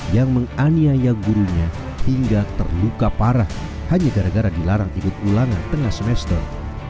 yang menganiaya gurunya hingga terluka parah hanya gara gara dilarang ikut ulangan tengah semester